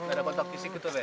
enggak ada kotak fisik gitu ya